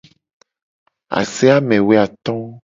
Ase amewoato.